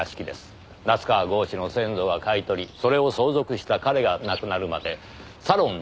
夏河郷士の先祖が買い取りそれを相続した彼が亡くなるまでサロン